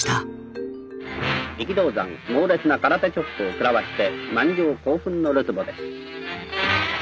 力道山猛烈な空手チョップを食らわして満場興奮のるつぼです。